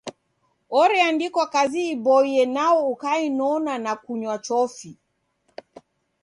Oreandikwa kazi iboie nao ukainona na kunywa chofi.